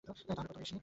তাহলে কত বেশি?